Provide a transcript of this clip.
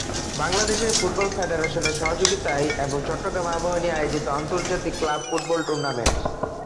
Bangladesh football ফেডারেশনের সহযোগিতায় এবং চট্টগ্রাম আবাহনী আয়োজিত আন্তর্জাতিক ক্লাব ফুটবল টুর্নামেন্ট।